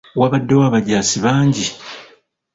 Wabaddewo abajaasi bangi.